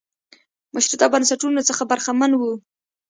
مشروطه بنسټونو څخه برخمن و.